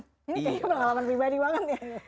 ini kayaknya pengalaman pribadi banget ya